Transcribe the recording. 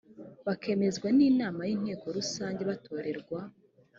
bakemezwan inama y inteko rusange batorerwa